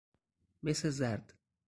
مس زرد